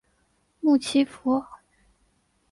穆奇福。